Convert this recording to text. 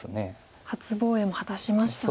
初防衛も果たしましたもんね。